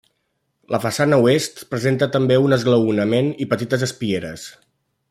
La façana oest presenta també un esglaonament i petites espieres.